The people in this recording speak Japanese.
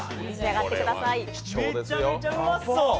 めちゃめちゃうまそう！